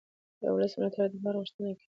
د ولس ملاتړ د باور غوښتنه کوي